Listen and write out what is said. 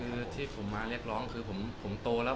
คือที่ผมมาเรียกร้องคือผมโตแล้ว